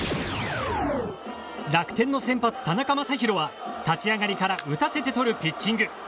楽天の先発、田中将大は立ち上がりから打たせてとるピッチング。